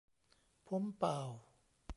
พ้มป่าว